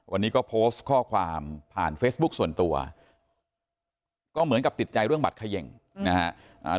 วันนี้ก็โพสต์ข้อความผ่านเฟซบุ๊คส่วนตัวก็เหมือนกับติดใจเรื่องบัตรเขย่งนะฮะ